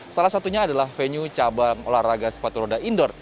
salah satunya adalah venue cabang olahraga sepatu roda indoor